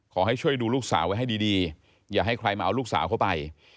ขอให้ช่วยดูลูกสาวไว้ให้ดีอย่าให้ใครมาเอาลูกสาวเข้าไป